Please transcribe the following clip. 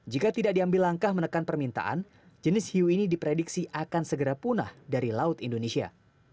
jika tidak diambil langkah menekan permintaan jenis hiu ini diprediksi akan segera punah dari laut indonesia